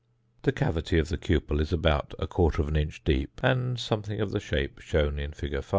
The cavity of the cupel is about 1/4 inch deep, and something of the shape shown in fig.